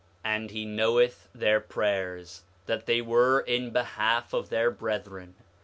8:24 And he knoweth their prayers, that they were in behalf of their brethren.